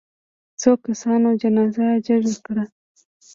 څو کسانو جنازه جګه کړه.